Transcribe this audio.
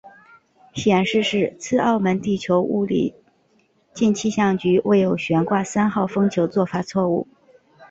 显示是次澳门地球物理暨气象局未有悬挂三号风球做法错误。